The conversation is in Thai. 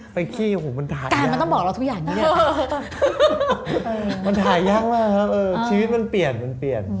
เป็นขี้มันถ่ายยากมากนะครับเออชีวิตมันเปลี่ยน